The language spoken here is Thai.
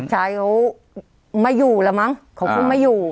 ลูกชายไม่อยู่แล้วมั้งของคุณไม่อยู่